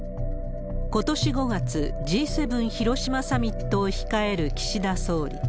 ことし５月、Ｇ７広島サミットを控える岸田総理。